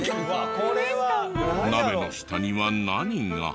鍋の下には何が？